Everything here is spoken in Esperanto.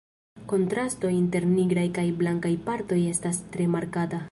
Kontrasto inter nigraj kaj blankaj partoj estas tre markata.